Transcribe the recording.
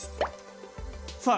さあ